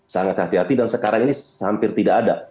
sangat hati hati dan sekarang ini hampir tidak ada